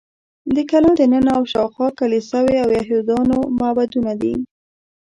د کلا دننه او شاوخوا کلیساوې او یهودانو معبدونه دي.